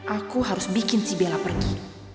aku harus bikin si bella pergi